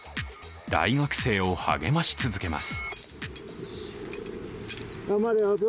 大学生を励まし続けます。